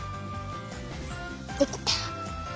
できた！